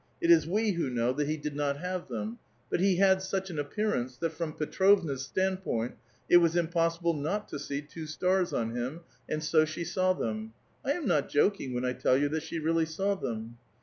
It is we who know that he A VITAL QUESTION. 159 did not have them; but he had such an appearance, that from Petrovna's standpoint, it was impossible not to see two stars on him, — and so she saw them; 1 am not joking when I tell you that she really saw them.